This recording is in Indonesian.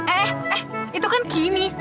eh eh itu kan kini